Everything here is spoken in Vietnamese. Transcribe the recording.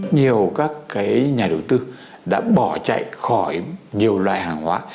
rất nhiều các nhà đầu tư đã bỏ chạy khỏi nhiều loại hàng hóa